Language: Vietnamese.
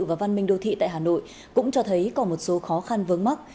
và văn minh đô thị tại hà nội cũng cho thấy có một số khó khăn vớng mắc